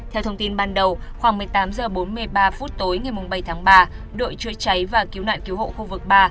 theo thông tin ban đầu khoảng một mươi tám h bốn mươi ba phút tối ngày bảy tháng ba đội chữa cháy và cứu nạn cứu hộ khu vực ba